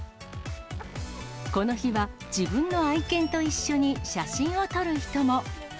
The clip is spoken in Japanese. この日は、自分の愛犬と一緒に写真を撮る人も。